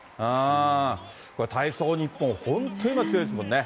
これ、体操ニッポン、本当に今、強いですもんね。